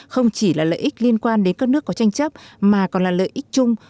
không chỉ là lợi ích liên quan đến các nước có tranh chấp mà còn là lợi ích chung